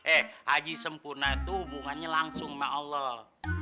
eh haji sempurna itu hubungannya langsung sama allah